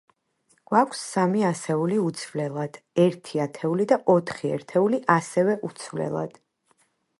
გვაქვს სამი ასეული უცვლელად, ერთი ათეული და ოთხი ერთეული ასევე უცვლელად.